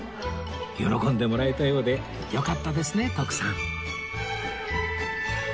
喜んでもらえたようでよかったですね徳さん